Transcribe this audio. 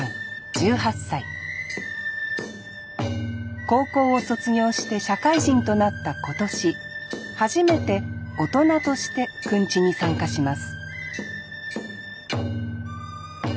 １８歳高校を卒業して社会人となった今年初めて大人としてくんちに参加します